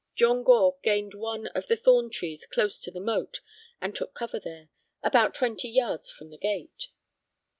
John Gore gained one of the thorn trees close to the moat and took cover there, about twenty yards from the gate.